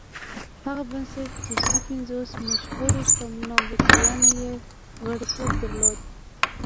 هغه بنسټ چې دري پنځوس مشهورو شتمنو امريکايانو يې غړيتوب درلود.